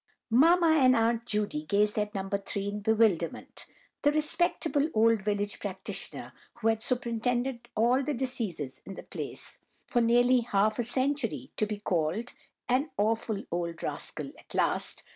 Mamma and Aunt Judy gazed at No. 3 in bewilderment. The respectable old village practitioner, who had superintended all the deceases in the place for nearly half a century—to be called "an awful old rascal" at last!